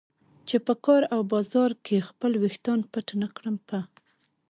چې په کار او بازار کې خپل ویښتان پټ نه کړم. په